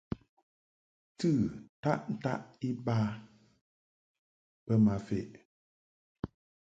Tɨ ntaʼ ntaʼ iba bə ma feʼ.